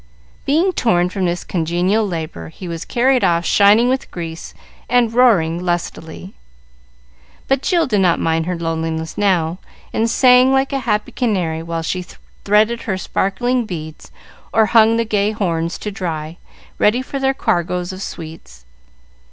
Being torn from this congenial labor, he was carried off shining with grease and roaring lustily. But Jill did not mind her loneliness now, and sang like a happy canary while she threaded her sparkling beads, or hung the gay horns to dry, ready for their cargoes of sweets.